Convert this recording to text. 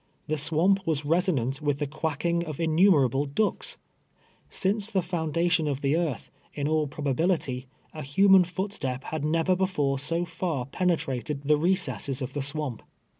The swamp was resonant with the quacking of innu merable ducks ! Since the foundation of the earth, in all probability, a human footstep had never before so far penetrated the recesses of the swamp.